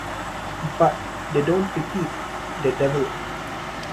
But they don't repeat - they develop.